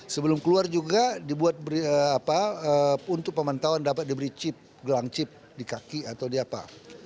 sebelum keluar juga dibuat untuk pemantauan dapat diberi chip gelang chip di kaki atau di apa